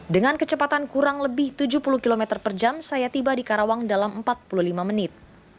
dengan kecepatan kurang lebih tujuh puluh km per jam saya tiba di karawang dalam empat puluh lima menit